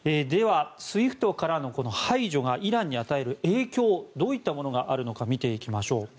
では、ＳＷＩＦＴからの排除がイランに与える影響どういったものがあるのか見ていきましょう。